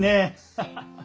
ハハハッ！